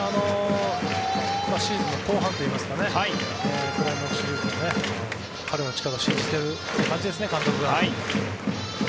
シーズンの後半といいますかクライマックスシリーズ彼の力を信じている感じですね監督が。